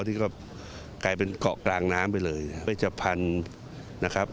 ที่ก็ใกล้เป็นเกาะกลางน้ำให้เลยไปสะพันนะครับ